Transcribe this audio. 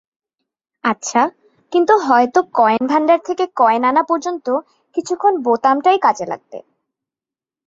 আচ্ছা, কিন্তু হয়তো কয়েন ভান্ডার থেকে কয়েন আনা পর্যন্ত কিছুক্ষণ বোতামটাই কাজে লাগবে।